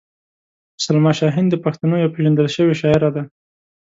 سلما شاهین د پښتنو یوه پېژندل شوې شاعره ده.